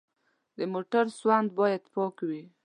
د موټر سوند باید پاک وي.